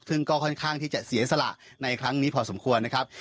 ซึ่งก็ค่อนข้างที่จะเสียสละในครั้งนี้พอสมควรนะครับ